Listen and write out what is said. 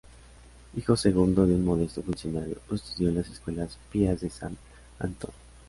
Hijo segundo de un modesto funcionario, estudió en las escuelas Pías de San Antón.